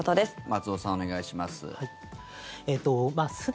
松尾さん、お願いします。